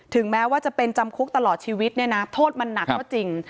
แม้ว่าจะเป็นจำคุกตลอดชีวิตเนี่ยนะโทษมันหนักก็จริง